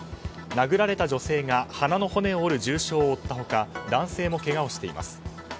殴られた女性が鼻の骨を折る重傷を負った他男性もけがをしています。